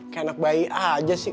kayak anak bayi aja sih